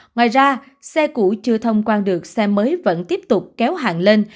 ngoài ra xe cũ chưa thông quan được xe mới vẫn tiếp tục kéo hàng lên